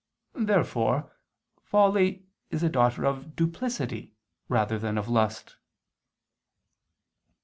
Therefore folly is a daughter of duplicity rather than of lust.